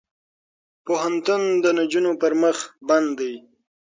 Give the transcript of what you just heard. پوهنتون د نجونو پر مخ بند دی.